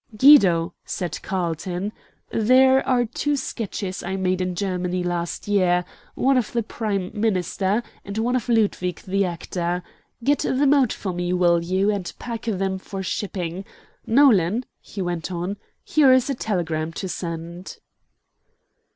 "Guido," said Carlton, "there are two sketches I made in Germany last year, one of the Prime Minister, and one of Ludwig the actor; get them out for me, will you, and pack them for shipping. Nolan," he went on, "here is a telegram to send."